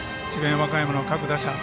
和歌山の各打者は。